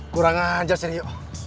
kurang ajar si dio